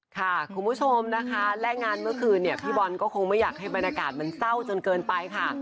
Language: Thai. คุณผู้ชมนะคะและงานเมื่อคืนเนี่ยพี่บอลก็คงไม่อยากให้บรรยากาศมันเศร้าจนเกินไปค่ะ